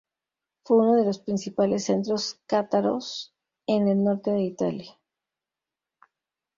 Fue uno de los principales centros cátaros en el norte de Italia.